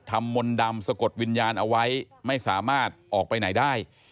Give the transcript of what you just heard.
มนต์ดำสะกดวิญญาณเอาไว้ไม่สามารถออกไปไหนได้